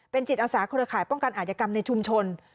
เป็นจิตอาสาคุณภัยป้องกันอายกรรมในชุมชน